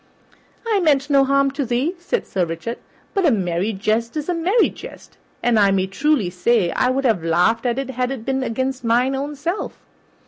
"I meant no harm to thee," said Sir Richard, "but a merry jest is a merry jest, and I may truly say I would have laughed at it had it been against mine own self."